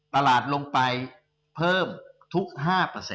ตลาดลงไปเพิ่มทุก๕เปอร์เซต